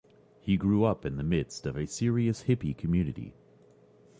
He grew up in the midst of a serious hippie community.